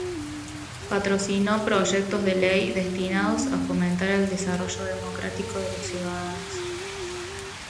Patrocinó proyectos de ley destinados a fomentar el desarrollo democrático de los ciudadanos.